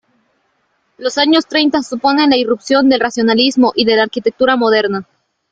Los años treinta suponen la irrupción del racionalismo y de la arquitectura moderna.